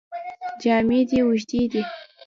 جامې دې اوږدې دي.